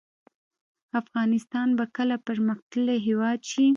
افغانستان به کله پرمختللی هیواد شي؟